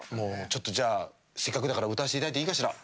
ちょっと、じゃあせっかくだから歌わせていただいていいかしら。